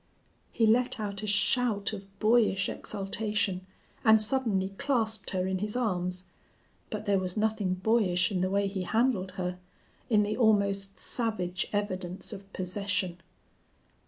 He let out a shout of boyish exultation and suddenly clasped her in his arms. But there was nothing boyish in the way he handled her, in the almost savage evidence of possession.